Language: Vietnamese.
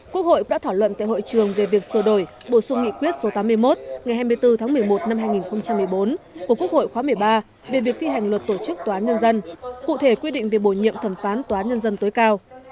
quốc hội đã thảo luận tại hội trường về việc sửa đổi bổ sung nghị quyết số tám mươi một ngày hai mươi bốn tháng một mươi một năm hai nghìn một mươi bốn của quốc hội khóa một mươi ba về việc thi hành luật tổ chức tòa án nhân dân cụ thể quy định về bổ nhiệm thẩm phán tòa án nhân dân tối cao